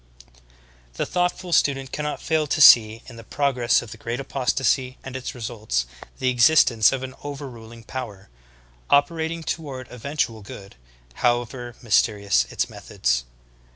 19. The thoughtful student cannot fail to see in the pro gress of the great apostasy and its results the existence of an overruling power, operating toward eventual good, how^ever mysterious its methods.